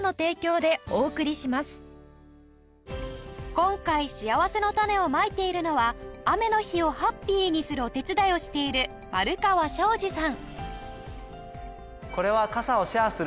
今回しあわせのたねをまいているのは雨の日をハッピーにするお手伝いをしている丸川照司さん